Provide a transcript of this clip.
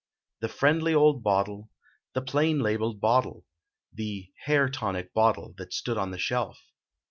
The friendly old bottle, The plain labeled bottle, The " Hair Tonic " bottle that stood on the shelf.